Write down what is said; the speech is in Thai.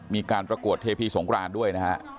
มีการประกวดเทพีสงครานด้วยนะฮะ